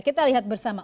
kita lihat bersama